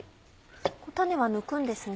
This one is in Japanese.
種は抜くんですね。